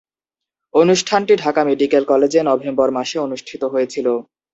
অনুষ্ঠানটি ঢাকা মেডিকেল কলেজে নভেম্বর মাসে অনুষ্ঠিত হয়েছিলো।